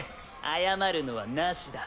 謝るのはナシだ。